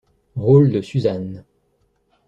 Rôle de Suzanne.